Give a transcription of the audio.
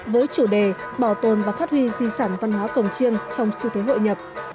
với chủ đề bảo tồn và phát huy di sản văn hóa cổng chiêng trong xu thế hội nhập